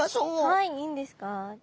はいいいんですか。